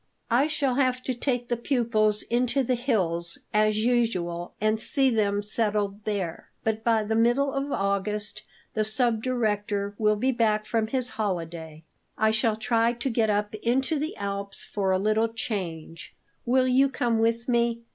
"I shall have to take the pupils into the hills, as usual, and see them settled there. But by the middle of August the subdirector will be back from his holiday. I shall try to get up into the Alps for a little change. Will you come with me?